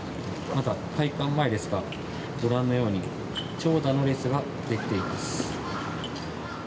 まだ、開館前ですがご覧のように長蛇の列ができています。